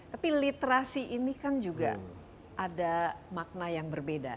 tapi literasi ini kan juga ada makna yang berbeda